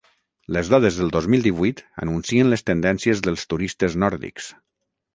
Les dades del dos mil divuit anuncien les tendències dels turistes nòrdics.